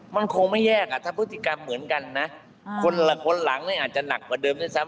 มันคงไม่แยกอ่ะถ้าพฤติกรรมเหมือนกันนะคนละคนหลังเนี่ยอาจจะหนักกว่าเดิมด้วยซ้ำ